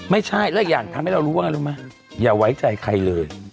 ไม่ใช่แล้วอย่างทำให้เรารู้ว่าไงรู้ไหมอย่าไว้ใจใครเลย